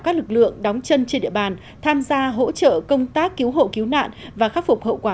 các lực lượng đóng chân trên địa bàn tham gia hỗ trợ công tác cứu hộ cứu nạn và khắc phục hậu quả